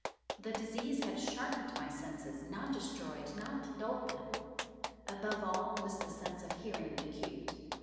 The disease had sharpened my senses—not destroyed—not dulled them. Above all was the sense of hearing acute.